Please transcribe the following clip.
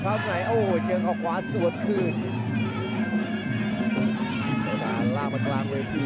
พักหน่อยอ้าวเจอเขาขวาสวดพื้นเผื่อหน้าล้างมาตรงไปดู